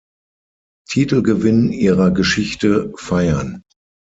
Titelgewinn ihrer Geschichte feiern.